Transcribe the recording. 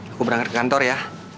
aku berangkat ke kantor ya